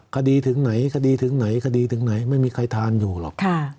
คดีถึงไหนคดีถึงไหนคดีถึงไหนไม่มีใครทานอยู่หรอก